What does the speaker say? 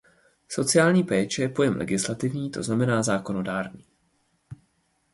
Sociální péče je pojem legislativní tzn. zákonodárný.